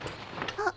あっ！？